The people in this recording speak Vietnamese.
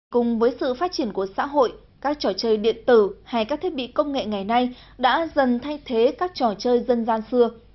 cùng với sự phát triển của xã hội các trò chơi điện tử hay các thiết bị công nghệ ngày nay đã dần thay thế các trò chơi dân gian xưa